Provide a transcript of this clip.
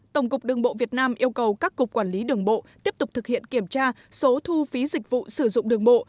tổng cục đường bộ việt nam yêu cầu các cục quản lý đường bộ tiếp tục thực hiện kiểm tra số thu phí dịch vụ sử dụng đường bộ